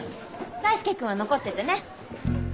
大介君は残っててね。